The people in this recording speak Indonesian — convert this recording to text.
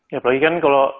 ya apalagi kan kalau